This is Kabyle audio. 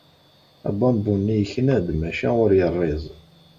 Abambu-nni yekna-d maca ur yerriẓ.